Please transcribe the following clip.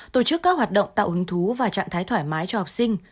tổ chức các hoạt động tạo hứng thú và trạng thái thoải mái cho học sinh